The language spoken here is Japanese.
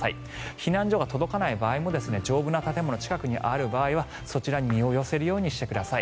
避難所が届かない場合も丈夫な建物が近くにある場合はそちらに身を寄せるようにしてください。